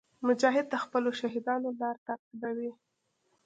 مجاهد د خپلو شهیدانو لار تعقیبوي.